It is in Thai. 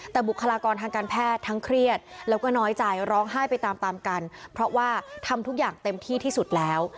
แต่บุคลากรทางการแพทย์ทั้งเครียดแล้วก็น้อยใจร้องไห้ไปตามตามกันเพราะว่าทำทุกอย่างเต็มที่ที่สุดแล้ว